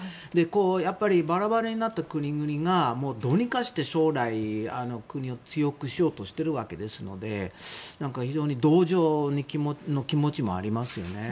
やっぱりバラバラになった国々がどうにかして将来、国を強くしようとしているわけですので非常に同情の気持ちもありますね。